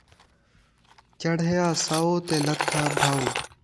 چڑھیا سو تے لتھا بھَو